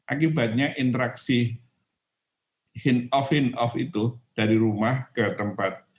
akibatnya interaksi hint of hint off itu dari rumah ke tempat